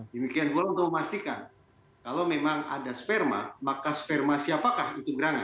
demikian gue mau memastikan kalau memang ada sperma maka sperma siapakah itu gerangan